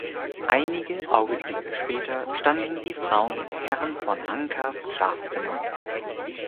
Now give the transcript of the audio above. Einige Augenblicke später standen die Frauen in Herrn von Hankas Schlafzimmer.